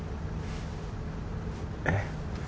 えっ？